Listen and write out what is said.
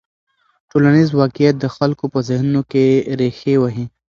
ټولنیز واقیعت د خلکو په ذهنونو کې رېښې وهي.